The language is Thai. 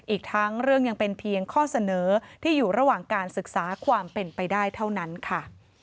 อีกทั้งเรื่องยังเป็นเพียงข้อเสนอที่อยู่ระหว่างการศึกษาความเป็นไปได้เท่านั้นค่ะ